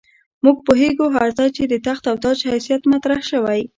موږ پوهېږو هر ځای چې د تخت او تاج حیثیت مطرح شوی.